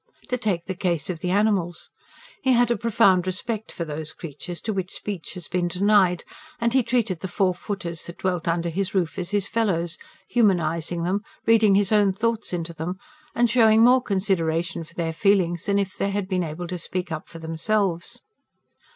To take the case of the animals. He had a profound respect for those creatures to which speech has been denied; and he treated the four footers that dwelt under his roof as his fellows, humanising them, reading his own thoughts into them, and showing more consideration for their feelings than if they had been able to speak up for themselves.